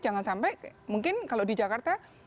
jangan sampai mungkin kalau di jakarta